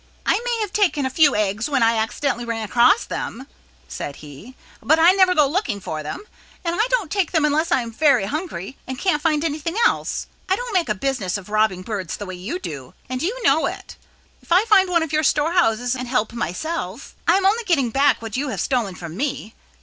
"I may have taken a few eggs when I accidentally ran across them," said he, "but I never go looking for them, and I don't take them unless I am very hungry and can't find anything else. I don't make a business of robbing birds the way you do, and you know it. If I find one of your storehouses and help myself, I am only getting back what you have stolen from me.